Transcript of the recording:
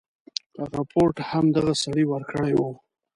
رپوټ هم دغه سړي ورکړی وو.